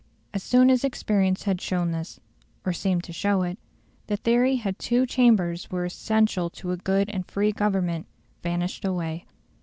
As soon as experience had shown this, or seemed to show it, the theory that two chambers were essential to a good and free Government vanished away.